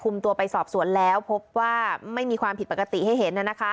ตัวไปสอบสวนแล้วพบว่าไม่มีความผิดปกติให้เห็น